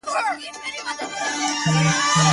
پاس پر پالنگه اكثر،